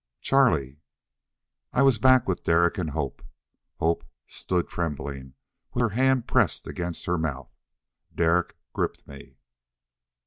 "Charlie!" I was back with Derek and Hope. Hope stood trembling, with her hand pressed against her mouth. Derek gripped me.